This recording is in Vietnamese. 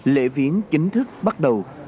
lễ viến chính thức bắt đầu